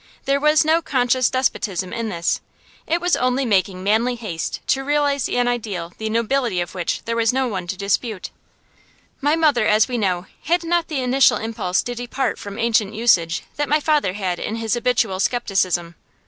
There was no conscious despotism in this; it was only making manly haste to realize an ideal the nobility of which there was no one to dispute. My mother, as we know, had not the initial impulse to depart from ancient usage that my father had in his habitual scepticism.